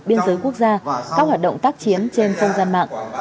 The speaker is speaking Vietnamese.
biên giới quốc gia các hoạt động tác chiến trên không gian mạng